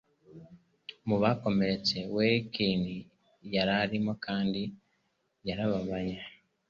Mu bakomeretse welkin yararimo kandi yarababaye